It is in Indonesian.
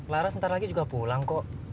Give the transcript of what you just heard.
laras ntar lagi juga pulang kok